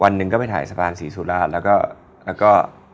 หนึ่งก็ไปถ่ายสะพานศรีสุราชแล้วก็